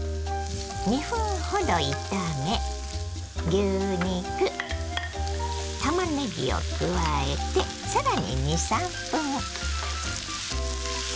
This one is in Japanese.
２分ほど炒め牛肉たまねぎを加えて更に２３分。